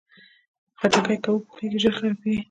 خټکی که وپوخېږي، ژر خرابېږي.